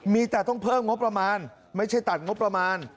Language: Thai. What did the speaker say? มีแต่ต้องเพิ่มงบประมาณไม่ใช่ตัดงบประมาณ